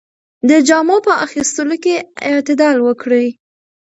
د جامو په اخیستلو کې اعتدال وکړئ.